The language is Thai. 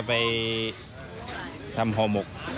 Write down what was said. ไปทำห่อหมก